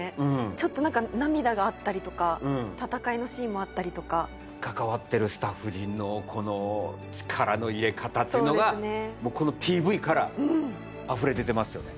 ちょっと何か涙があったりとか戦いのシーンもあったりとか関わってるスタッフ陣のこの力の入れ方っていうのがもうこのＰＶからあふれ出てますよね